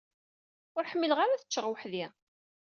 Ur ḥmileɣ ara ad ččeɣ weḥd-i.